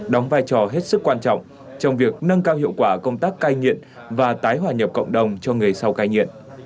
đóng vai trò hết sức quan trọng trong việc nâng cao hiệu quả công tác cai nghiện và tái hòa nhập cộng đồng cho người sau cai nghiện